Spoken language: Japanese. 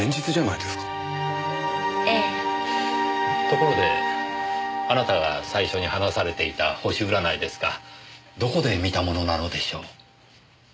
ところであなたが最初に話されていた星占いですがどこで見たものなのでしょう？